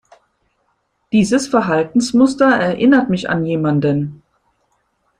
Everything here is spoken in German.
Dieses Verhaltensmuster erinnert mich an jemanden.